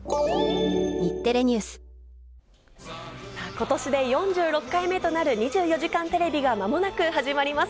ことしで４６回目となる２４時間テレビがまもなく始まります。